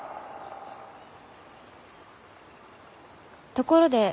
ところで。